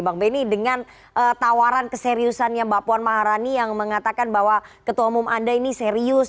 bang benny dengan tawaran keseriusannya mbak puan maharani yang mengatakan bahwa ketua umum anda ini serius